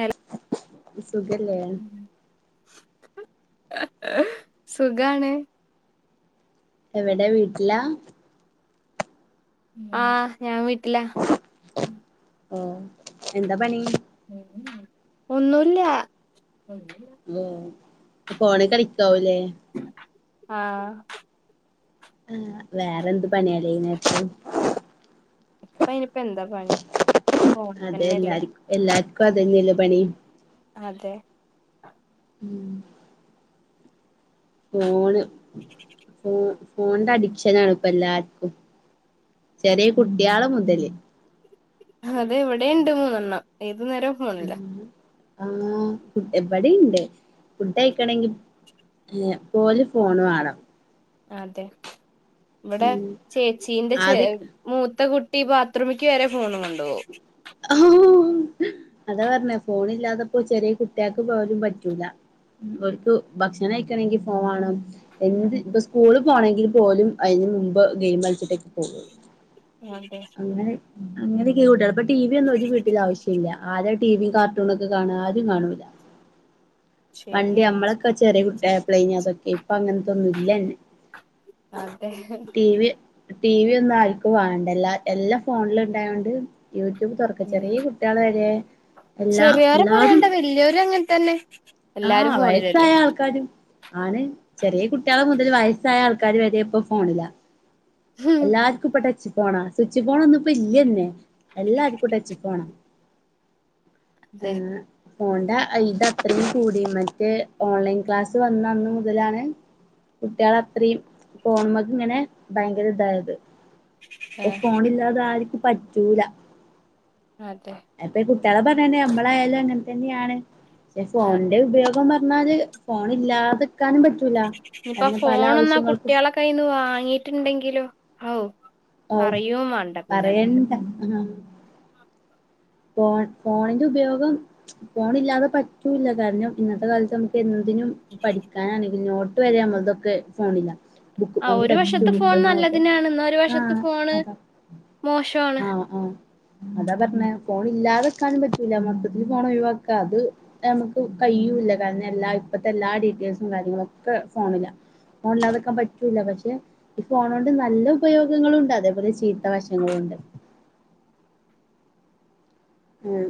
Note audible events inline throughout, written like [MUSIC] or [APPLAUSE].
എല സുഖല്ലേ സുഖണ എവിടെ വീട്ടിലാ ആഹ് ഞാൻ വീട്ടില്ല ഓഹ് എന്താ പണി ഉം ഉം ഒന്നുല്ല. മൂ ഫോണി കളിക്കാവുലേ. ആഹ് ആ വേറെന്ത് പണ്യാടീ ഇങ്ങക്ക് ഇപയ്ന് പെന്ത പണി. ഫോണ് അതെ എല്ലാ തന്നെയല്ലേ എല്ലാർക്കും അതെന്നെ ല്ലെ പണി. അതെ ഉം ഫോണ് ഫോ ഫോണിന്റെ അഡിക്ഷനാണ് ഇപ്പെല്ലാർക്കും. ചെറിയ കുട്ട്യാള് മുതല് അതെ ഇവിടേ ഇണ്ട് മൂന്നെണ്ണം ഏത് നേര്വം ആഹ് ആഹ് ഇബടിണ്ട്. ഫുഡ്ഡയിക്കണെങ്കി എഹ് പോല് ഫോണ് വാണം. അതെ ഇവെടെ ഉം ചേച്ചീന്റെ ച ആദ്യ മൂത്ത കുട്ടി ബാത്റൂമിക്ക് വരെ ഫോണ് കൊണ്ടു പോവും. അതാ പറ്ഞ്ഞെ. ഫോണ് ഇല്ലാതെപ്പോ ചെറിയ കുട്ട്യേൾക്ക് പോലും പറ്റൂല. ഓല്ക്ക് ഭക്ഷണം കഴിക്കണെങ്കി ഫോൺ വാണം. എന്ത് ഇപ്പ സ്കൂള് പോണെങ്കിൽ പോലും അതിന് മുമ്പ് ഗെയിം കളിച്ചിട്ടേക്ക് പോകൂ [UNINTELLIGIBLE] ആതെ അങ്ങനെ അങ്ങനെ ഒക്കെ കുട്ട്യേള്. ഇപ്പ ടി വി ഒന്നും ഒരു വീട്ടിൽ ആവശ്യല്ല. ആദ്യട്ട ടി വി കാർട്ടൂൺ ഒക്കെ കാണ. ആരും കാണൂല്ല വണ്ടി ശരിയാണ് നമ്മളെ ച്ചെറ്യേ കുട്ടായപ്ളേനി അതൊക്കെ. ഇപ്പ അങ്ങൻത്തൊന്നും ഇല്ലന്നെ അതെ ടി വി ടി വി ഒന്നും ആർക്കും വാണ്ടല്ല എല്ലം ഫോണില് ഇണ്ടായോണ്ട്. യൂട്യൂബ് തൊറ്ക്ക ഉം ചെറിയ കുട്ട്യേളെ വരെ എല്ലാ ചെറിയോരെ എല്ലാരും. പറയണ്ട വല്യോരും അങ്ങനെ തന്നെ എല്ലാരും ആഹ് ഫോണിലല്ലേ വയസായ ആൾക്കാരും. ആണ് ചെറ്യേ കുട്ടികളെ മുതല് വയസ്സായ ആൾക്കാര് വരെ ഇപ്പം ഫോണിലാ എല്ലാർക്കും ഇപ്പ ടച്ച് ഫോണാ. സ്വിച്ച് ഫോണ് ഒന്നും ഇപ്പ ഇല്യന്നെ എല്ലാർക്കും ടച്ച് ഫോണാ അതെ ഏഹ് ഫോൺന്റെ ഐ ഇതത്ത്രിം കൂടിണ്. മറ്റെ ഓൺലൈൻ ക്ലാസ് വന്ന അന്ന് മുതലാണ് കുട്ട്യേള് അത്ത്രീം ഫോണ്മക്ക് ഇങ്ങനെ ഭയങ്കര ഇതായത്. ഇപ്പ ആഹ് ഫോൺ ഇല്ലാതെ ആർക്കും പറ്റൂല. അതെ അപ്പെ കുട്ട്യാളെ പറ്യണ്ട. നമ്മളായാലും അങ്ങൻതന്നെ ആണ്. പക്ഷെ അതെ ഫോണിന്റെ ഉപയോഗം ന്നാല് ഫോൺ ഇല്ലാതെക്കാനും പറ്റൂല. അതിന് പല ആവശ്യങ്ങൾക്കും കയ്ന്ന് വാങ്ങിയിട്ടുണ്ടെങ്കിലോ ഹൗ ഓ പറയും വാണ്ട പിന്നെ അങ്ങട്ട് [UNINTELLIGIBLE] ഫോൺ ഫോണിന്റെ ഉപയോഗം. ഫോണ് ഇല്ലാതെ പറ്റൂല്ല. കാര്ണം ഇന്നത്തെ കാലത്ത് നമു എന്തിനും പഠിക്കാനാണെങ്കി നോട്ട് വരെ നമ്മൾതൊക്കെ ഫോണില. ആഹ് ഒരു വശത്ത്ഫോൺ നല്ലതിനാണ്. ന്ന ഒരു ആ വശത്ത് ഫോണ് അതാ മോശാണ്. ആഹ് ആഹ് അതാ പറ്ഞ്ഞേ. ഫോണ് ഇല്ലാതെക്കാനും പറ്റൂല. മൊത്തത്തില് ഫോണ് ഒഴിവാക്ക അത്. നമുക്ക് കയ്യൂല്ല. കാര്ണം എല്ലാ ഇപ്പത്തെ എല്ലാ ഡീറ്റേൽസും കാര്യങ്ങളൊക്കെ ഫോണില. ഫോണില്ലാതക്കാൻ പറ്റൂല പക്ഷെ ഈ ഫോണോണ്ട് നല്ല ഉപയോഗങ്ങളുണ്ട്. അതേപോലെ ചീത്ത വശങ്ങളുണ്ട്. ഉം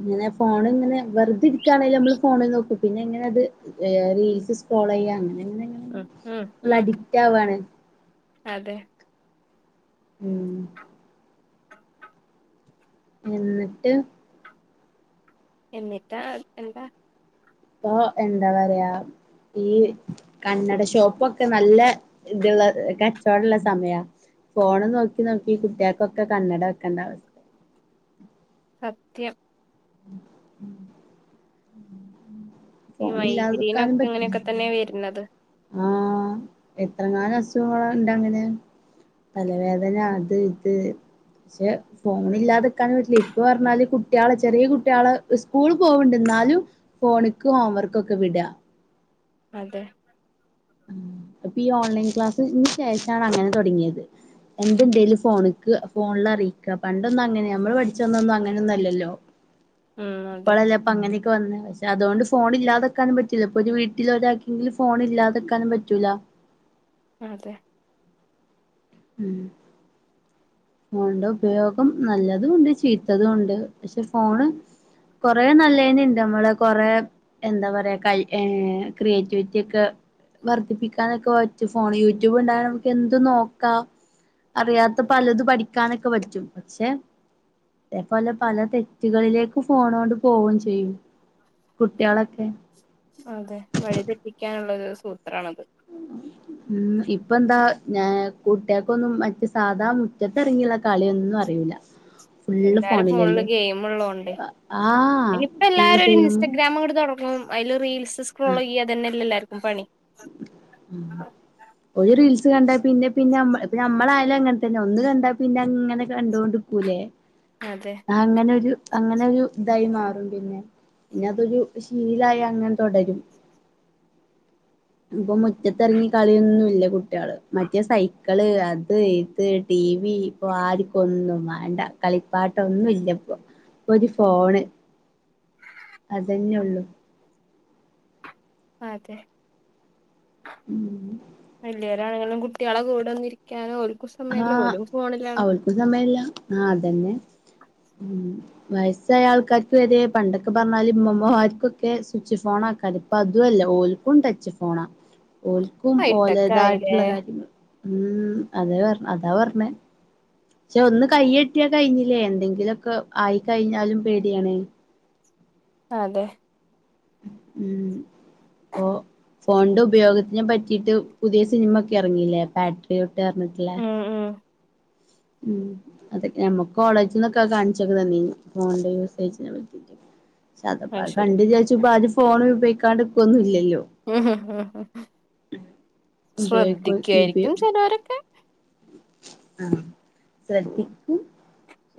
ഇങ്ങനെ ഫോണ് ഇങ്ങനെ വെറുതെ ഇരിക്കാണെങ്കിലും നമ്മള് ഫോണ് നോക്കും. പിന്നെ എങ്ങനെ ഇത് റീൽസ് ഫോളോ ചെയ്യാ അങ്ങനെ ങ്ങനെ അങ്ങനെ ഉം ഉം ഫുൾ ഉം അഡിക്റ്റ് ആവാണ് അതെ ഉം [INAUDIBLE] എന്നിട്ട് എന്നിട്ടാ എന്താ ഇപ്പൊ എന്താ പറയാ ഈ കണ്ണട ഷോപ്പൊക്കെ നല്ല ഇതുള്ള കച്ചോടള്ള സമയാ ഫോണും നോക്കി നോക്കി കുട്ട്യാക്കൊക്കെ കണ്ണട വെക്കേണ്ട അവ സത്യം ഈ ഫോണില്ലാതെക്കാനും മൈഗ്രീനൊക്കെ പറ്റൂല ഇങ്ങനെക്കെ തന്നെ വര്ന്നത് ആഹ് എത്രങ്ങാനു അസുഖങ്ങളുണ്ടങ്ങനെ തലവേദന അത് ഇത് പക്ഷെ ഫോൺ ഇല്ലാതെക്കാനുംപറ്റില്ല ഇപ്പ പറഞ്ഞാല് കുട്ട്യാളെചെറിയ കുട്ട്യാളെ സ്കൂൾ പോവ്ണ്ട്ന്നാലും ഫോണിക്ക് ഹോംവർക്കോക്കെ വിട അതെ ഇപ്പ ഈ ഓൺലൈൻ ക്ലാസ്ന് ശേഷാണ് അങ്ങനെ തൊടങ്ങിയത് എന്തുണ്ടേലും ഫോണിക്ക് ഫോണിലറിയിക്കാ പണ്ടൊന്നും അങ്ങനെ നമ്മള് പഠിച്ചന്നൊന്നും അങ്ങനെന്നല്ലല്ലോ ഉം അതെ ഇപ്പളല്ലെ അപ്പ അങ്ങനെയൊക്കെ വന്ന് പക്ഷേ അതോണ്ട് ഫോണ് ഇല്ലാതെക്കാനും പറ്റില്ല ഇപ്പോ ഒര് വീട്ടിൽ ഒരാക്കെങ്കിലും ഫോണ് ഇല്ലാതെക് ക്കാനും പറ്റൂല അതെ ഉം ഫോണിന്റെ ഉപയോഗം നല്ലതുംഉണ്ട് ചീത്തതുണ്ട് പക്ഷെ ഫോണ് കൊറേ നല്ലേന്ണ്ട് നമ്മളെ കൊറെ എന്താ പറയാ കൈ ഏ ക്രിയേറ്റിവിറ്റി ഒക്കെ വർദ്ധിപ്പിക്കാനൊക്കെ പറ്റു ഫോണ് യൂട്യൂബ് ഉണ്ടായ നമുക്ക് എന്തുംനോക്കാ അറിയാത്ത പലത് പഠിക്കാനൊക്കെ പറ്റും പക്ഷെ അതേപോലെ പല തെറ്റുകളിലേക്ക് ഫോണ് കൊണ്ട് പോവുംചെയ്യും കുട്ടികളെക്കെ അതെ വഴിതെറ്റിക്കാനുള്ളൊരു സൂത്രാണത് [INAUDIBLE] ഉം ഇപ്പന്താ ഞാ കുട്ടികക്കൊന്നും മറ്റ്സാധാ മുറ്റത്തിറങ്ങിയുള്ള കളിയൊന്നും അറിയൂല [INAUDIBLE] എല്ലാരും ഫോണില് ഫോണിലല്ലേ ഗെയിമ് ഉള്ളതൊണ്ടെ ആഹ് ഇനിയിപ്പോ ഫുള്ള് എല്ലാരും ഒരു ഗെയിമും ഇൻസ്റ്റഗ്രാമങ്ങട്ട് തൊടങ്ങും അയില് റീൽസ് സ്ക്രോള്യ്യാതന്നെ ല്ലെ എല്ലാർക്കും പണി ഉം ഒരു റീൽസ് കണ്ട പിന്നെ പിന്നെ മ്മള് നമ്മളായാലും അങ്ങനെ തന്നെ ഒന്ന് കണ്ട പിന്നെ അങ്ങനെ കണ്ടോണ്ട് നിക്കൂല്ലേ അതെ അങ്ങനെ ഒരു അങ്ങനെ ഒരു ഇതായി മാറും പിന്നെ പിന്നെ അതൊരു ശീലായി അങ്ങനെ തുടരും ഇപ്പൊ മുറ്റത്തിറങ്ങി കളിയൊന്നുവില്ല കുട്ടികള് മറ്റേ സൈ ക്കള് അത് ഇത് ടി വി ഇപ്പൊ ആർക്കും ഒന്നും വേണ്ട കളിപ്പാട്ട ഒന്നും ഇല്ലിപ്പോ ഒരു ഫോണ് അതന്നെ ഉള്ളു അതെ ഉം വല്യോരാണെങ്കിലും കുട്ട്യാളെ കൂടെ ഒന്നിരിക്കാന് ഓലിക്കും സമ ആഹ് അവൽക്കും സമയല്ലാ ആഹ് അതന്നെ ഉം വയസ്സായ ആൾക്കാർക്ക് വരെ പണ്ടൊക്കെ പറഞ്ഞാല് ഇമ്മമ്മമാർക്കൊക്കെ സ്വിച്ച് ഫോണാക്കാരം ഇപ്പതുവല്ലാ ഓൽക്കും ടച്ച് ഫോണാ ഓൽക്കും ഹൈടെക്ക് ആയില്ലേ ഓലതായിട്ടുള്ള കാര്യങ്ങൾ ഉം അതെ പറഞ്ഞെ അതാ പറഞ്ഞെ ച്ചെ ഒന്ന് കയ്യെട്ടിയാ കഴിഞ്ഞില്ലേ എന്തെങ്കിലൊക്കെ ആയിക്കഴിഞ്ഞാലും പേടിയാണെ അതെ ഉം പ്പോ ഫോണിന്റെ ഉപയോഗത്തിനെ പറ്റീട്ട് പുതിയ സിനിമ ഒക്കെ എറങ്ങില്ലേ പാട്രിയോട്ട് പർഞ്ഞിട്ട്ള്ളേ ഉം ഉം ഉം അതെ ഞമ്മക്ക് കോളേജിന്നൊക്കെ അത് കാണിച്ചൊക്കെ തന്നീനി ഫോണിന്റെ യൂസേജിനെപ്പറ്റി പക്ഷേ അത്പ്പ അത് കണ്ട് വിചാരിച്ച് ഇപ്പ അരും ഫോണ് ഉപയോഗിക്കാണ്ട്ക്കൊന്നും ഇല്ലല്ലോ ഉപയോഗിക്കോ ഉപയോ ശ്രദ്ധിക്കായിരിക്കും ചെലേരൊക്കെ ആഹ് ശ്രദ്ധിക്കും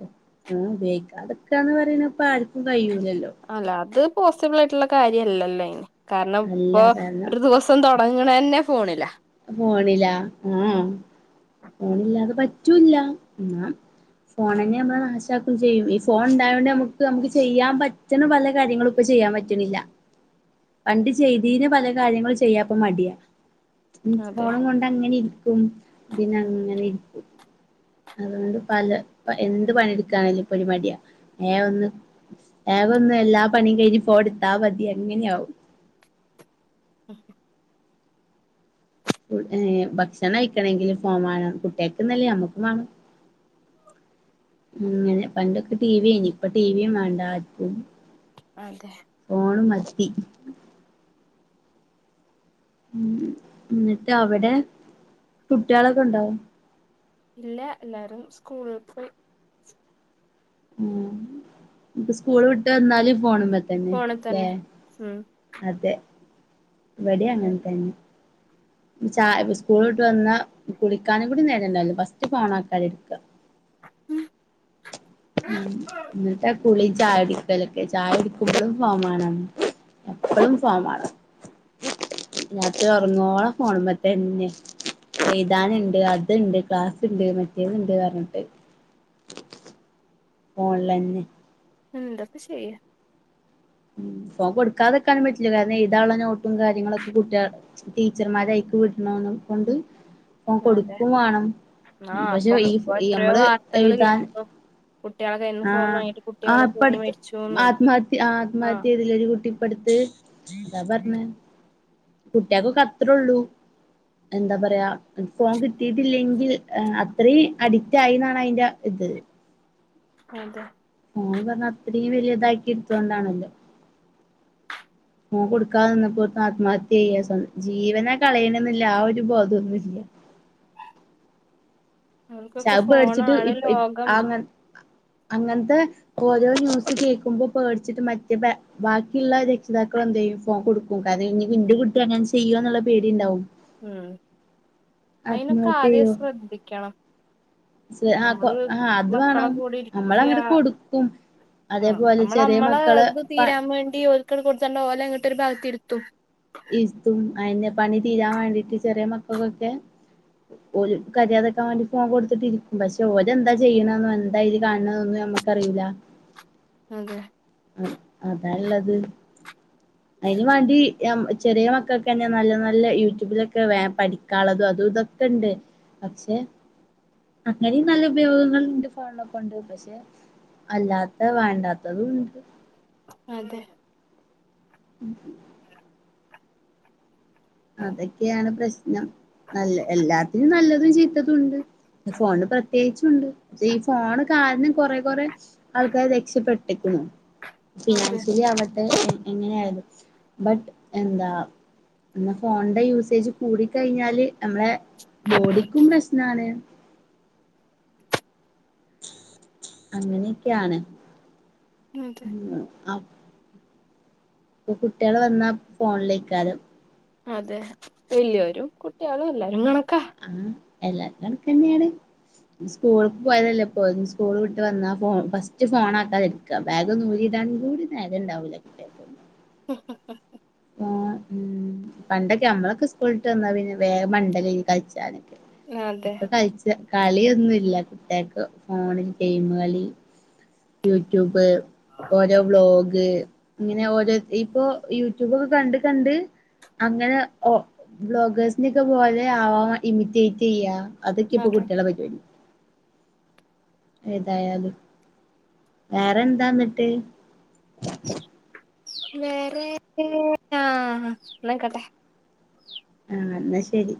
[UNINTELLIGIBLE] ഉപയോഗിക്കാതെക്കാന്ന് പറയുന്നപ്പ ആർക്കും കയ്യൂലല്ലോ അല്ല അത് പോസിബിൾ ആയിട്ട്ള്ള കാര്യല്ലല്ലോ അയിന് കാരണം അല്ല ഇപ്പൊ കാരണം ഒരു ദിവസ് തൊടങ്ങണെന്നെ ഫോണിലാ ഫോണിലാ ആഹ് ഫോണില്ലാതെ പറ്റൂല്ലാ ഇന്നാ ഫോണെന്നെ നമ്മളെ നാശാക്കും ചെയ്യും ഈ ഫോണ് ഇണ്ടായതോണ്ട് ഞമ്മക്ക് ഞമ്മക്ക് ചെയ്യാൻ പറ്റ് റ്റ്ണ പല കാര്യങ്ങളും ഇപ്പ ചെയ്യാൻ പറ്റ്ണില്ലാ പണ്ട് ചെയ്തീന പല കാര്യങ്ങളും ചെയ്യാപ്പ മടിയാ ഉം അതെ ഫോണും കൊണ്ട് അങ്ങനെ ഇരിക്കും പിന്നെ അങ്ങനെ ഇരിക്കും അതുകൊണ്ട് പല പ എന്ത് പണിയെടുക്കാണേലും ഇപ്പൊരു മടിയാ വേ ഒന്ന് വേഗൊന്ന് എല്ലാ പണിയും കഴിഞ്ഞ് ഫോ എടുത്താ മതി അങ്ങനെയാവും ആ ഫുഡ് ഏഹ് ഭക്ഷണം കഴിക്കണെങ്കില് ഫോൺ വാണം കുട്ടിയേക്ക്ന്നല്ലാ ഞമ്മുക്കും വാണം അങ്ങനെ പണ്ടൊക്കെ ടി വിയേനി ഇപ്പ ടിവിയും വേണ്ടാ ആര്ക്കും അതെ ഫോണ് മതി ഉം ഇന്നിട്ട് അവിടെ കുട്ട്യാളെക്കെ ഇണ്ടോ? ഇല്ലാ എല്ലാരും സ്കൂള് പോയി ഉം ഇനിപ്പം സ്കൂള് ഇനി വിട്ട് വന്നാല് ഫോണുമ്മെത്തന്നെ ഫോണിൽ ല്ലേ തന്നെ ഉം അതെ ഇവിടെ അങ്ങൻതെന്നെ ഇനി ചായ സ്കൂള് വിട്ട് വന്നാ കുളിക്കാനും കൂടി നേരെണ്ടാവൂല്ലാ ഫസ്റ്റ് ഫോണാക്കാരം എട്ക്കാ ഉം ഇന്നിട്ടാ കുളിം ചായ കുടിക്കലൊക്കെ ചായ കുടിക്കുമ്പളും ഫോൺ മാണം എപ്പളും ഫോമാണം രാത്രി ഒറങ്ങോളം ഫോമ്മെതെന്നെയാ ഏഴ്താന്ണ്ട് അത്ണ്ട് ക്ലാസ്സ്ണ്ട് മറ്റേത്ണ്ട് പർഞ്ഞിട്ട് ഫോൺലെന്നെ എന്താപ്പ ചെയ്യാ ഉം ഫോൺ കൊടുക്കാതെക്കാനും പറ്റില്ലാ കാരണം എഴ്‌താള്ള നോട്ടും കാര്യങ്ങളൊക്കെ കുട്ട്യാ ടീച്ചർമ്മാരയ്ക്ക്‌ വിട്ണോണ കൊണ്ട് ഫോൺ അതെ കൊടുക്കും വാണം ആഹ് പക്ഷെ അപ്പൊ ഇപ്പൊ ഈ യമ്മള് എഴ്‌താൻ കുട്ട്യാളെ കെ ആഹ് ആഹ്പ്പടുത്ത് ആത്മഹത്യ ആ ആഹ് ആത്മഹത്യയ്തിലേരു കുട്ടി പ്പടുത്ത് അതാ പർഞ്ഞേ കുട്ട്യാക്കൊക്കെ അത്രേള്ളൂ എന്താ പറയാ ഫോൺ കിട്ടിയിട്ടില്ലെങ്കിൽ അത്രയും അഡിക്റ്റ് ആയിന്നാണയ്ന്റെ ഇത് അതെ ഫോൺ പർഞ്ഞ അത്രയും വലിയതാക്കി എടുത്തോണ്ടാണല്ലോ ഫോൺ കൊടുക്കാത നിന്നപ്പോത്തിന് ആത്മഹത്യയ്യാ സ്വ ജീവനാ കളയ്ണെന്നില്ല ആ ഒരു ബോധോന്നുല്ല അവർക്കൊക്കെ ശത് പേട്ച്ചിട്ട് ഫോണാണ് ഇപ്പ ലോകം അങ്ങ അങ്ങൻത്തെ ഓരോരോ ന്യൂസ് കേക്കുമ്പോ പേടിച്ചിട്ട് മറ്റേ ബാക്കിയുള്ള രക്ഷിതാക്കൾ എന്തെയ്യും ഫോൺ കൊടുക്കും കാരണം ഇഞ്ഞി ഇന്റെ കുട്ടി അങ്ങനെ ചെയ്യോന്നുള്ള പേടിണ്ടാവും ഉം ആത്മഹത്യ അയ്നൊക്കാദ്യെ ചെയ്യോ ശ്രദ്ധിക്കണം ആ കൊ നമ്മള് ആ അത് മക്കളെ വേണം കൂടിരിക്യാ നമ്മളങ്ങട്ട് കൊടുക്കും ആഹ് അതേപോലെ ചെറിയ നമ്മളമ്മളെ മക്കള് ത് പ തീരാൻ വേണ്ടി ക്കണ് കൊട്ത്താണ്ടോലങ്ങട്ട് ഒരു ഭാഗത്തിരുത്തും ഇര്ത്തും അയന്നെ പണി തീരാൻ വേണ്ടിട്ട് ചെറിയ മക്കൾക്കൊക്കെ ഓല് കര്യാതക്കാൻ വാണ്ടി ഫോൺ കൊടുത്തിട്ടിരിക്കും പക്ഷെ ഓലെന്താ ചെയ്യണന്നോ എന്താ അയ്ല് കാണ്ണത് നൊന്നും നമ്മക്ക് അറിയൂല്ല അതെ അ അതാള്ളത് അയ്ന് വാണ്ടി ചെറിയ മക്കൾക്കന്നെ നല്ല നല്ല യൂട്യൂബിലൊക്കെ വേം പഠിക്കാള്ളതും അതൂതൊക്കെണ്ട് പക്ഷെ അങ്ങനിം നല്ല ഉപയോഗങ്ങള്ണ്ട് ഫോണിനെ കൊണ്ട് പക്ഷെ അല്ലാത്ത വേണ്ടാത്തതുംണ്ട് അതെ ഉം അതൊക്കെയാണ് പ്രശ്നം നല്ല എല്ലാത്തിനും നല്ലതും ചീത്തതും ഉണ്ട് ഫോണിന് പ്രത്യേകിച്ചുണ്ട് പക്ഷേ ഈ ഫോണ് കാരണം കൊറെ കൊറെ ആൾക്കാര് രക്ഷപ്പെട്ട്ക്ക്‌ണ് അതെ ഫിനാൻഷ്യലി ആവട്ടെ എങ്ങനെയായാലും ബട്ട് എന്താ പിന്ന ഫോണിന്റെ യൂസേജ് കൂടി കഴിഞ്ഞാല് നമ്മളെ ബോഡിക്കും പ്രശ്നാണ് അങ്ങനെയൊക്കെയാണ് അതെ ഉം അ പ്പൊ കുട്ട്യാള് വന്നാ ഫോണിലേക്കാരം അതെ വല്യോരും കുട്ട്യാളും എല്ലരും കണക്കാ ആഹ് എല്ലാരും കണക്കെന്നേണ് സ്കൂളക്ക് പോയതല്ലേ ഇപ്പോ സ്കൂൾ വിട്ട് വന്നാ ഫോൺ ഫസ്റ്റ് ഫോൺ ആക്കാൻ വരും ക്കാ ബാഗൊന്നൂരിടാനും കൂടി നേരണ്ടാവൂല കിട്ടെ ഹ ഹ ആഹ് ഉം പണ്ടൊക്കെ നമ്മളൊക്കെ സ്കൂളിട്ടന്നാ പിന്നെ വേം മണ്ടലേനി കൾച്ചാന് അതെ ഇപ്പൊ കൾച്ച കളിയൊന്നുല്ല കുട്ട്യാക്ക് ഫോണിൽ ഗെയിമ് കളി യൂട്യൂബ് ഓരോ വ്ളോഗ് ഇങ്ങനെ ഓരോ ഇപ്പോ യു ട്യുബൊക്കെ കണ്ട് കണ്ട് അങ്ങനെ ഒ ബ്ലോഗേഴ്സിനൊക്കെ പോലെ ആവാൻ ഇമിറ്റേറ്റെയ്യാ അതൊക്കെപ്പൊ അതെ കുട്ടികള പരിപാടി ഏതായാലും വേറെന്താന്നട്ട് വേറേ ആഹ് ന്നായ്കോട്ടെ ആഹ് ന്ന ശരി